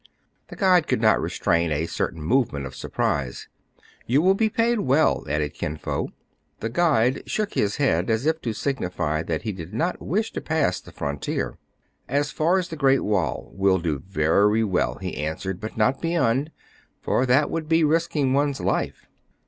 The guide could not restrain a certain move ment of surprise. " You will be well paid," added Kin Fo. The guide shook his head, as if to signify that he did not wish to pass the frontier. "As far as the Great Wall, will do very well," he answered, " but not beyond ; for that would be risking one's life."